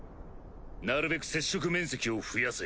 なるべく接触面積を増やせ。